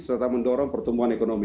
serta mendorong pertumbuhan ekonomi